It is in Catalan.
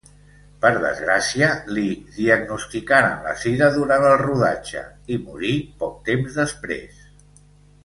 Per desgràcia, li diagnosticaren la sida durant el rodatge i morí poc temps després.